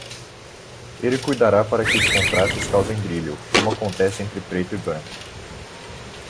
Ele cuidará para que os contrastes causem brilho, como acontece entre preto e branco.